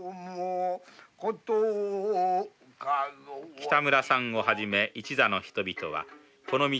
北村さんをはじめ一座の人々はこの道